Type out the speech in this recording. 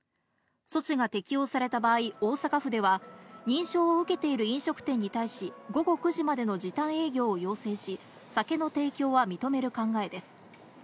措置が適用された場合、大阪府では認証を受けている飲食店に対し、午後９時までの時短営業を要請し、酒の提供は認める考えです。